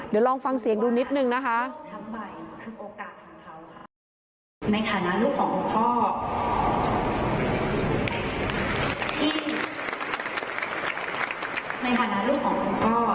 เดี๋ยวลองฟังเสียงดูนิดนึงนะคะ